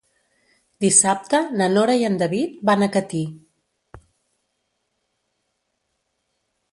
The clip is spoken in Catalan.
Dissabte na Nora i en David van a Catí.